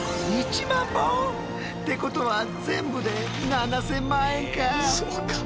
ってことは全部で７，０００万円か！